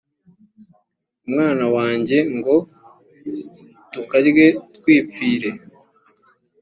umwana wanjye ngo tukarye twipfire